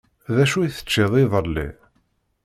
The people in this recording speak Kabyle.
D acu i teččiḍ iḍelli?